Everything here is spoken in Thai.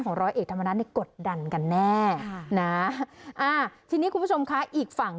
ของร้อยเอกธรรมดาในกฎดันกันแน่ทีนี้คุณผู้ชมค่ะอีกฝั่ง